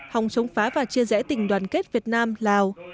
hòng chống phá và chia rẽ tình đoàn kết việt nam lào